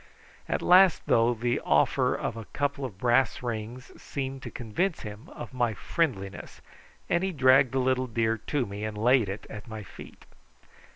At last, though, the offer of a couple of brass rings seemed to convince him of my friendliness, and he dragged the little deer to me and laid it at my feet.